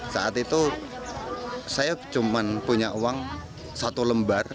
saat itu saya cuma punya uang satu lembar